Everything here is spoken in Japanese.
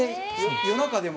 夜中でも。